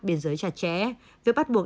biên giới chặt chẽ việc bắt buộc